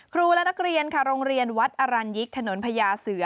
ครูและนักเรียนค่ะโรงเรียนวัดอรัญยิกถนนพญาเสือ